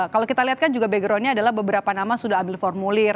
kalau kita lihat kan juga backgroundnya adalah beberapa nama sudah ambil formulir